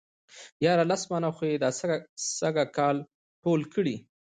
ياره لس منه خو يې دا سږ کال ټول کړي.